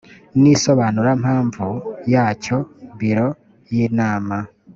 n isobanurampamvu yacyo biro y inama